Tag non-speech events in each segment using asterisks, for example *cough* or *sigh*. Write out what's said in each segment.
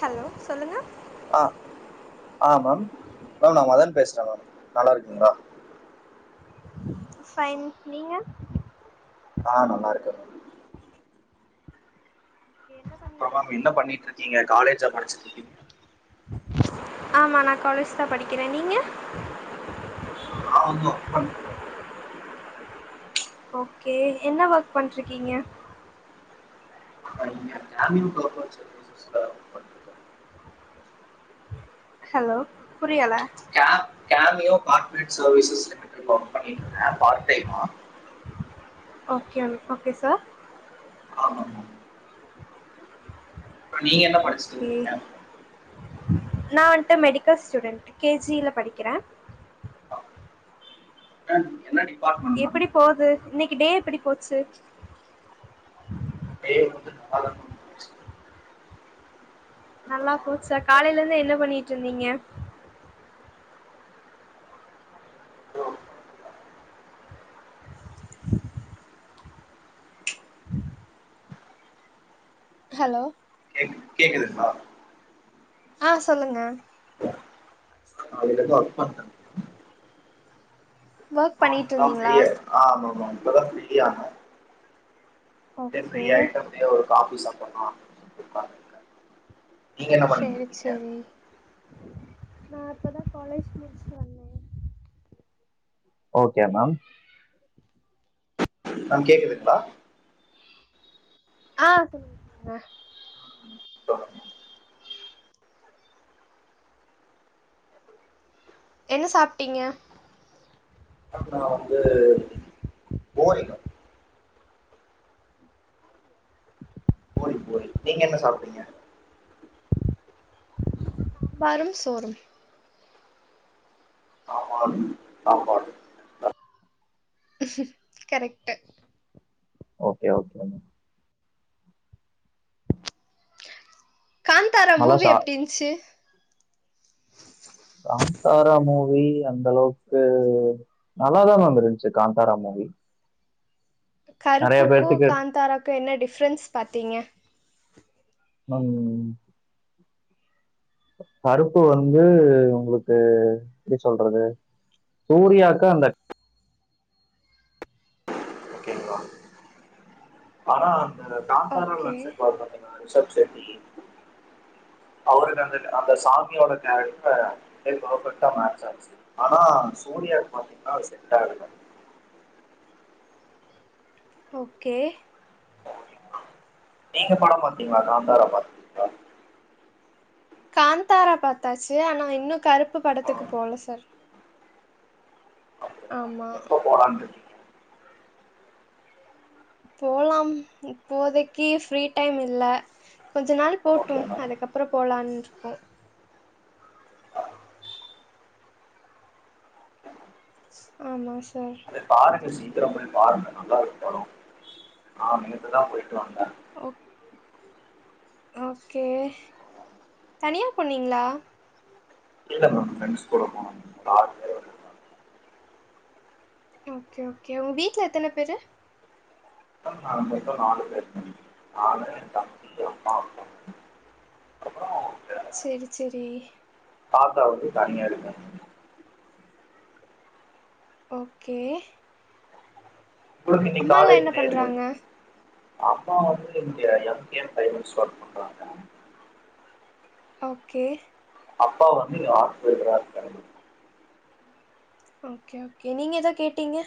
Hello சொல்லுங்க ஆ ஆ மேம் மேம் நா மதான் பேசுற மேம் நல்லாருக்கிங்ளா ஃபைன் நீங்க ஆ நல்லாருக்கே மேம் ஓகே என்ன அப்றோ பண்ணிட்டு மேம் என்ன இருக்கீங்க பண்ணிட்ருக்கீங்க காலேஜா படிச்சிட்ருக்கீங்க ஆமா நா காலேஜ்தா படிக்குறே நீங்க ஆமா ஓகே என்ன ஒர்க் பண்ட்ருக்கீங்க இங்க *unintelligible* ஹலோ புரியல கேமியோ கார்ப்பரேட் சர்வீசஸ் லிமிட்ல ஒர்க் பண்ணிருக்கே பார்ட் டைமா ஓகே ஓகே சார் ஆமாங்க நீங்க என்ன படிச்சிட்டு ஓக்கே இருக்கீங்க நா வந்ட்டு மெடிக்கல் ஸ்டூடென்ட் கேஜில படிக்கற மேம் நீங்க என்ன டிப்பாட் எப்புடி போது இன்னிக்கு டே எப்பிடி போச்சு பேய் வந்து *unintelligible* நல்லா போச்சா காலைல இருந்து என்ன பண்ணிட்ருந்தீங்க ம் ஹலோ கேக்குது கேக்குதுங்ளா ஆ சொல்லுங்க காலைலருந்து ஒர்க் பண்ண ஒர்க் ஆ பண்ணிட்டு இப்பதா ஃப்ரி இருந்தீங்களா ஆ ஆமா மா மா இப்பதா ஃப்ரீயான ஓகே ஃப்ரி ஆய்ட்டு அப்டியே ஒரு காஃபி சாப்பட்ணு *inaudible* சேரி சேரி நா இப்பதா காலேஜ் முடிச்சிட்டு வந்தே ஓகே மேம் மேம் கேக்குதுங்ளா ஆ சொல்லுங்க சொல்லுங்க என்ன சாப்ட்டீங்க நா வந்து பூரிங்க பூரி பூரி நீங்க என்ன சாப்ட்டீங்க சாம்பாரும் சோறும் சாம்பாரு சாப்பாடு கரெக்ட்டு ஓகே ஓகேங்க கான்த்தாரா நல்லா மூவி சா எப்டி இன்ச்சு கான்தாரா மூவி அந்தளவுக்கு நல்லாதா மேம் இருந்துச்சு காந்தாரா மூவி நெறைய கருப்புக்கு பேத்துக்கு காந்தாராக்கு என்ன டிஃப்ரென்ஸ் பாத்திங்க நம் கருப்பு வந்து உங்ளுக்கு எப்டி சொல்றது சூர்யாக்கு அந்த ஆனா அந்த காந்தாரால ஓகே நடிச்சிருப்பார்ல ஆ ரிஷப்‌ ஷெட்டி அவருக்கு அந்த அந்த சாமியோட கேரக்ட்ரு அப்டியே பர்ஃபெக்ட்டா மேச்சாச்சு ஆனா சூர்யாக்கு பாத்தீங்கன்னா அது செட்டாகல ஓகே நீங்க படம் பாத்தீங்களா காந்தாரா பாத் காந்தாரா பாத்தாச்சு ஆனா இன்னு கருப்பு ஆ, படத்துக்கு போல சார் அப்டியா ஆமா மேம் எப்ப போலான்ருக்கீங் போலாம் இப்போதைக்கி ஃப்ரீ டைம் இல்ல கொஞ்ச நாள் ஓகே போட்டும் மேம் அதுக்கப்றோ போலான்ருக்கோ ஆஹ ஆமா சார் போய் பாருங்க சீக்கிரோ போய் பாருங்க நல்லாருக்கு படோ நா நேத்து தா போய்ட்டு வந்தே ஓ ஓகே தனியா போனீங்ளா இல்ல மேம் ஃப்ரெண்ட்ஸ் கூட போனோ ஒரு ஆறு பேர் வந்து ஓகே ஓகே ஒங்க வீட்ல எத்தன பேரு மேம் நாங்க மொத்தோ நாலு பேர் நானு எ தம்பி அம்மா அப்பா அதுக்கப்றோ சேரி சேரி தாத்தா வந்து தனியாருக்காங்க ஓகே உங்களுக்கு இன்னிக் அம்மாலா என்ன காலேஜ்லேது பண்றாங்க? அம்மா வந்து இங்க எம் கே டைமன்ஸ்ல ஒர்க் பண்றாங்க ஓகே அப்பா வந்து இங்க ஆப்ரேட்டர்றா இருக்காருங்க ஓகே ஓகே நீங்க எதோ கேட்டீங்க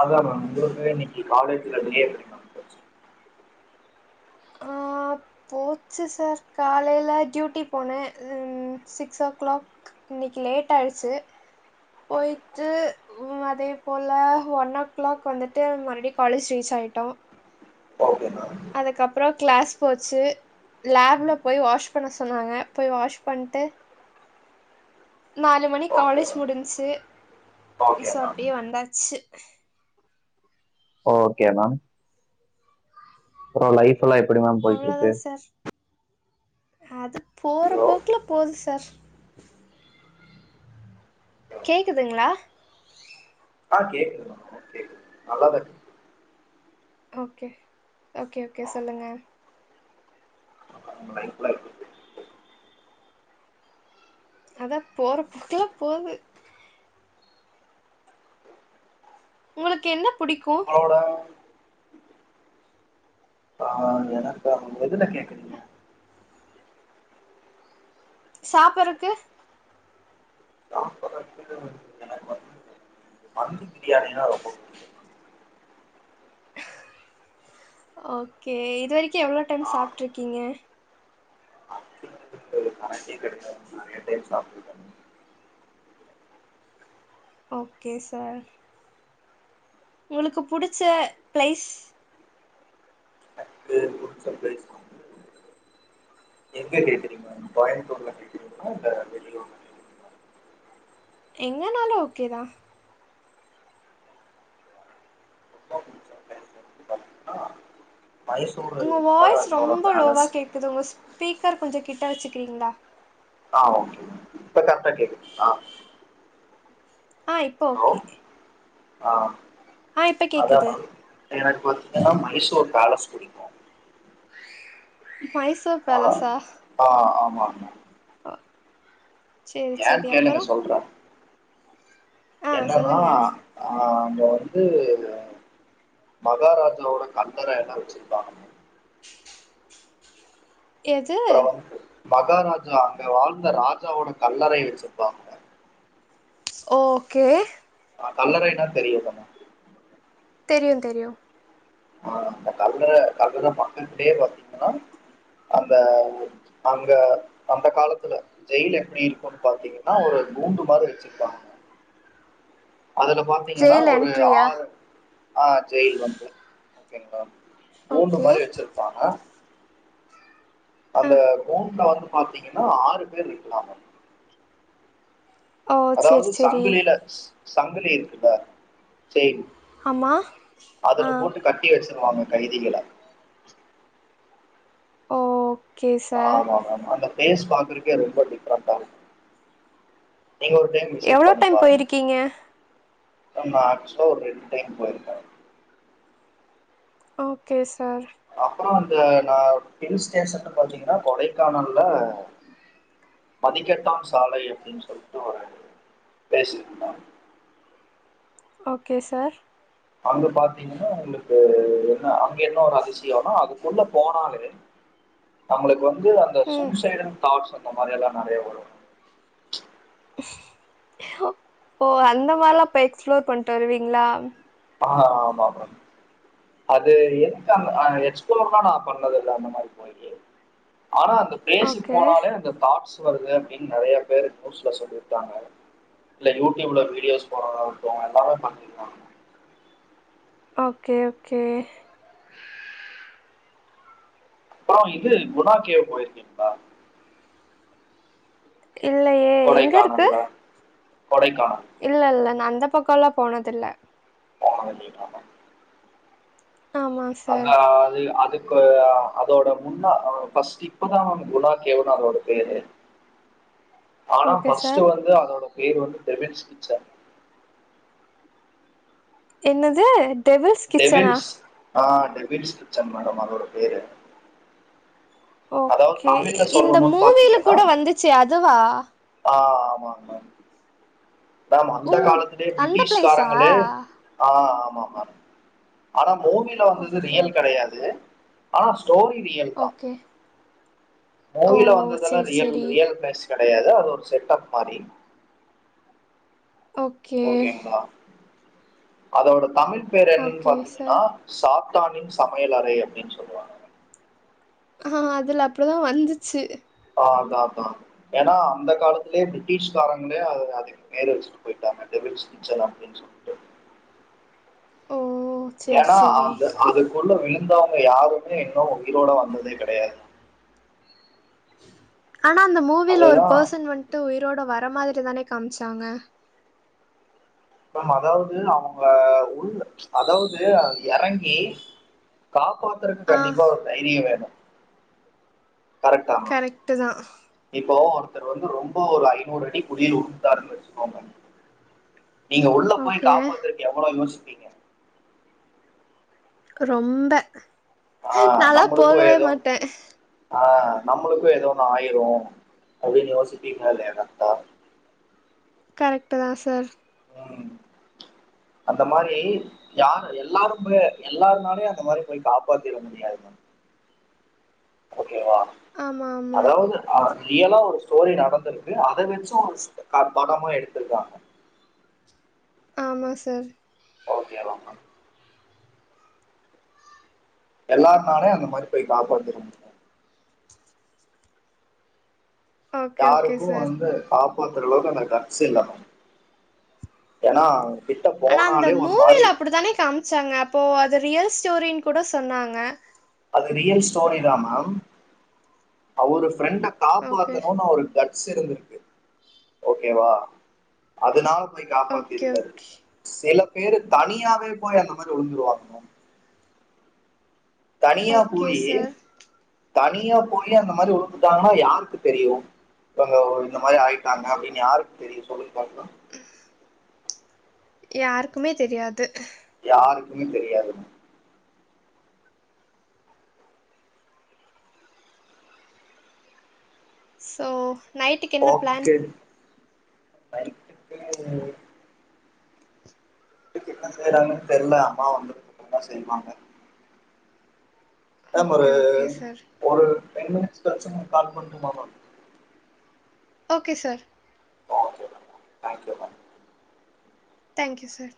அதா மேம் உங்களுக்கு இன்னக்கி காலேஜ்ல டே எப்டி மேம் போச்சு ஆ போச்சு சார் காலைல டியூட்டி போனே ம் சிக்ஸ் ஓ க்ளாக் இன்னக்கி லேட்டாயிருச்சு போய்ட்டு உ அதே போல ஒன் ஓ கிளாக் வந்துட்டு மறுபடி காலேஜ் ரீச் ஆயிட்டோ ஓகே மேம் அதுக்கப்பறோ கிளாஸ் போச்சு லேப்லபோய் வாஷ் பண்ண சொன்னாங்க போய் வாஷ் பண்ட்டு நாலு மணி ஓகே காலேஜ் மேம் முடிஞ்ச்சு ஓகே ஸோ மேம் அப்டியே வந்தாச்சு ஓகே மேம் உங் லைஃப் புல்லா எப்டி மேம் போயிட்டு அவ்ளதா இருக்கு சார் அது போற போக்குல போது சார் கேக்குதுங்ளா ஆஹ் கேக்குது மேடம் கேக்குது நல்லா தாருக் ஓகே ஓகே ஓகே சொல்லுங்க உங்க லைப்லா எப்டி அதா போற போக்குல போது உங்களுக்கு என்ன புடிக்கு *unintelligible* ஆஹ் எனக்கா எதுல கேக்கறீங்க சாப்பறது ஆ *unintelligible* இதேமாரிதா மந்தி பிரியாணின்னா ரொம்போ புடிக்கோ ஓகே இதுவரைக்கு எவ்ளோ டைம் ஆ, சாப்ட்டுருக்கீங்க *unintelligible* வெரைட்டி கெடைக்காது நெறையா டைம் சாப்ட்ருக்கே ஓகே சார் உங்களுக்கு புடிச்ச பிளைஸ் *unintelligible* எங்க கேக்றீங்க கோயம்பத்தூர்ல கேக்கறீங்கங்களா இல்ல வெளியூர்ல கேக்குறீங்களா எங்கனாலு ஓகேதா ரொம்ப புடிச்ச மலேஸ் உங்க வாய்ஸ் ரொம்ப லோவா கேக்குது உங்க ஸ்பீக்கர் கொஞ்சோ கிட்ட வெச்சுக்கிறீங்ளா ஆஹ் ஓகே இப்ப கரெக்டா கேக்குதுங்ளா ஆஹ் இப்ப ஓகே ஆஹ் ஆ இப்ப அதா கேக்குது மேம் எனக்கு வந்து பாத்தீங்கன்னா மைசூர் பேலஸ் புடிக்கு மைசூர் பேலசா ஆமாங் மேம் ஓ செரி செரி ஏன்னு கேளுங்க அப்பறோ சொல்றே ஆ என்னன்னா சொல்லுங்க ஆஹ் அங்க வந்து மகாராஜாவோட கல்லறைல்லா வச்சிருக்காங்க எது அப்றோ வந்து மகாராஜா அங்க வாழ்ந்த ராஜாவோட கல்லறை வச்சிருப்பாங்க ஓகே ஆஹ் கல்லறைனா தெரியுதானே தெரியு தெரியு ஆஹ் அ கல்ல கல்லற மக்கள்கிட்டயே பாத்தீங்கன்னா அந்த அங்க அந்த காலத்துல ஜெயில் எப்டி இருக்குன் பாத்தீங்ன்னா ஒரு கூண்டு மாதிரி வெச்சிருப்பாங்க அதுல பாத்தீங்கனா ஜெயில் ஒரு என்ட்ரியா ஆறு ஆ ஜெயில் வந்து ஓகேங்ளா கூண்டு ஓகே மாரி வச்சிர்ப்பாங்க ஆ அந்த கூண்ல வந்து பாத்தீங்கன்னா ஆறு பேர் இருக்ளாங்க ஓ சேரி அதாவ்து சேரி சங்கிலில ஸ் சங்கிலி இருக்குல்ல செய்ன் ஆமா ஆ அதுல போட்டு கட்டி வச்சுருவாங்க கைதிகள ஓ ஆமாமாமா அந்த ஃபேஸ் பாக்குருக்கே ரொம்ப டிஃப்ரண்டாரு நீங்க ஒரு டைம் விசிட் எவ்ளோ டைம் போய்ருக்கீங்க அம்நாச்சோ ஒர் ரெண் டைம் போய்ர்க்க ஓகே சார் அப்பறோ அந்த நா ஹில் ஸ்டேஷன்ல பாத்தீங்கன்னா கொடைக்கானல்ல மதிக்கட்டா சாலை அப்டின் சொல்ட்டு ஒரு பேசிர்ந்தாங் ஓகே சார் அங்க பாத்தீங்கன்னா உங்ளுக்கு என்ன அங்க என்ன ஒரு அதிசியுன்னா அது உள்ள போனாலே நம்ளுக்கு வந்து அந்த ம் சூசைடுன் தாக்ஸன் இந்த மாரியல்லா நறையா வரு ஹொ போ அந்த மார்லா பெய் எக்ஸ்ப்ளோர் பண்ட்டு வருவீங்ளா ஹா ஆமாமம் அது என்க்கம் அ எக்ஸ்ப்ளோர்னா நா பண்ணதுல்ல அந்த மாரி பொய்யி ஆனா அந்த பேஸிக் ஓகே போனாலே அந்த தாட்ஸ் வருது அப்டின் நெறைய பேரு பூட்ஸ்ல சொல்லிர்க்காங்க இல்ல யூட்யூப்ல வீடியோஸ் போறதால் இட்டு எல்லாமே பண்ணிர்க்காங்க ஓகே ஒக்கே பா இது குணாக்கேவ் போய்ர்க்கீங்ளா இல்லையே எங்க கொடைக்கானல்ல கொடைக்கானல் இல்லல்ல நா அந்த பக்கொல்லா போனதில்ல போனதில்லை மாமா ஆமா அவ்ங்க சார் அது அதுக் குஆ அதோட முன்னா ஓ ஃபஸ்ட் இப்பதா அவ்னுக்கு ஆனா ஓகே ஃபஸ்ட்டு சார் வந்து அதோட பேர் வந்து ப்ரவின்ஸ் கிச்சன் என்னது டெவில்ஸ் கிச்சனா டெவில்ஸ் ஆ டெவில்ஸ் விச்சன் மேடம் அதோட பேரு அதாவ் ஓகே தமிழ்ல இந்த சொல்லணுன் மூவில பாத்தீங்கன்னா கூட வந்துச்சே அதுவா ஆ ஆமாங்மா மேம் ஓ அந்த காலத்திலே அந்த பிளேஸா ப்ரிட்டிஷ்காரங்களே ஆ ஆமாமா ஆனா மூவில வந்தது ஓகே ரியல் ஓகே கெடையாது ஆனாஸ் ஸ்டோரி ரியல் தா ஓகே ஓ மூவில வந்ததெல்லா சேரி ரியல் சேரி ரியல் பேஸ் கெடையாது அது ஒரு செட் அப் மாரி ஓகே ஓகேங்ளா அதோட தமிழ் பேர் என்னன் ஓகே பாத்தீங்கன்னா சார் சாத்தானின் சமையல் அறை அப்படின் சொல்லுவாங்க அதுல அப்படிதா வந்துச்சு ஆ அதா அதா ஏனா அந்த காலத்திலே ப்ரிட்டிஷ்காரங்ளே அது அதிக் மேரே வச்சிட்டு போய்ட்டாங்க டெவில்ஸ் சுச்சலாம் அப்டின் சொல்ட்டு ஓ சேரி ஏன்னா சேரி அந்த அதுக்குள்ள விழுந்தவங்க யாருமே இன்னு உயிரோட வந்ததே கெடையாது ஆனா அந்த மூவில ஒரு அதுதான் பெர்சன் வந்துட்டு உயிரோட வர மாதிரி தானே காமிச்சாங்க மேம் அதாவது அவுங்க உள்ள அதாவது அது எறங்கி காப்பாத்துறத்துக்கு ஆ கண்டிப்பா ஒரு தைரியோ வேணு கரெக்டா கரெக்ட்டு தா இப்போ ஒருத்தரு வந்து ரொம்ப ஒரு ஐநூறு அடி குழியில உழுன்டாருன்னு வெச்சிக்கோங்க நீங்க உள்ள போயி ஓகே காப்பாத்துறக்கு எவ்ளோ யோசிப்பீங்க ரொம்ப நாலா போகவே மாட்டே ஆ நம்மளுக்கு ஏதோ ஒன்னு ஆயிரு அப்டின்னு யோசிப்பிங்ளா இல்லையா கரெக்டா கரெக்ட்டு தா சார் ம் அந்த மாரி யாரு எல்லாரும் போய் எல்லாருனாலயு அந்த மாரி போய் காப்பாத்திட முடியாது மேம் ஓகேவா ஆமா ஆமா அதாது ஆ ரியலா ஒரு ஸ்டோரி நடந்திருக்கு அத வெச்சக ஒரு படமா எடுத்திருக்காங்க ஆமா சார் ஓகோ வா மேம் எல்லாருனாலயு அந்த மாரி போய் காப்பாத்திற முடியாது ஓகே ஓகே யாருக்கு சார் வந்து காப்பாத்துற அளவுக்கு அந்த கட்ஸ் இல்ல மேம் ஏன்னா கிட்ட ஆனா அந்த போனாலே ஒரு மாதிரி மூவியில அப்படி தானே காமிச்சாங்க அப்போ அது ரியல் ஸ்டோரின்னு கூட சொன்னாங்க அது ரியல் ஸ்டோரி தா மேம் அவரு ஃப்ரெண்ட ஓகே காப்பாத்தணும்னு அவுரு கட்ஸ் இருந்திருக்கு ஓகேவா அதனால போய் ஓகே காப்பாத்திருக்காரு ஓகே சில பேரு தனியாவே போய் அந்த மாரி உழுந்துருவாங்க மேம் தனியா ஓகே போயி சார் தனியா போயி அந்த மாரி உழுந்துட்டாங்கன்னா யாருக்கு தெரியு இங்க ஒரு இந்த மாரி ஆயிட்டாங்க அப்டின்னு யாருக்கு தெரியு சொல்லுங்க பாப்போ யாருக்குமே தெரியாது யாருக்குமே தெரியாது மேம் சோ ஓகே நைட்டுக்கு நைட்டுக்கு என்ன செய்றாங்கன்னு தெர்ல அம்மா வந்ததுக்கு அப்றோ தா செய்வாங்க மேம் ஒரு ஓகே ஓகே சார் ஒரு டென்மினிட்ஸ் கழிச்சு நா கால் பண்ணட்டுமா ma'am okay sir okay ma'am thank you ma'am thank you sir